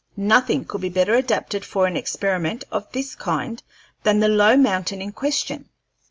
Nothing could be better adapted for an experiment of this kind than the low mountain in question.